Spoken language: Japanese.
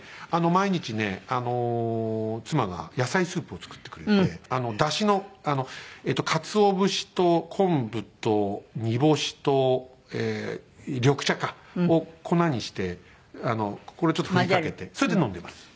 毎日ね妻が野菜スープを作ってくれてだしのかつお節と昆布と煮干しと緑茶を粉にしてこれちょっと振りかけてそれで飲んでます。